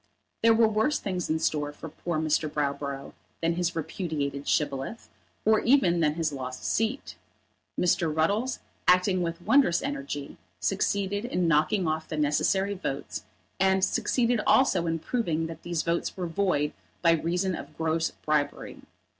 There were worse things in store for poor Mr. Browborough than his repudiated Shibboleth, or even than his lost seat. Mr. Ruddles, acting with wondrous energy, succeeded in knocking off the necessary votes, and succeeded also in proving that these votes were void by reason of gross bribery.